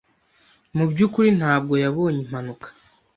Mu byukuri ntabwo yabonye impanuka.